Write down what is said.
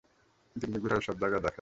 দিল্লি ঘুরাই, সব জায়গা দেখাই।